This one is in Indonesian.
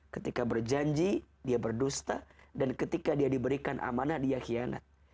ketika berjanji dia berdusta dan ketika dia diberikan amanah dia hianat